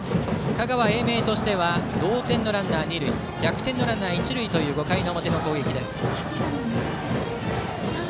香川・英明としては同点のランナーが二塁逆転のランナー、一塁という５回の攻撃。